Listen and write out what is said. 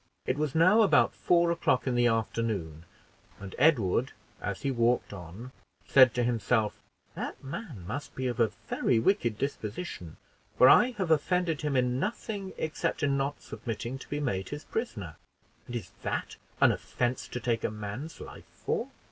It was now about four o'clock in the afternoon, and Edward, as he walked on, said to himself, "That man must be of a very wicked disposition, for I have offended him in nothing except in not submitting to be made his prisoner; and is that an offense to take a man's life for?